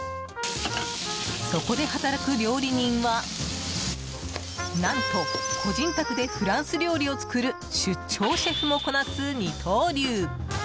そこで働く料理人は何と個人宅でフランス料理を作る出張シェフもこなす二刀流。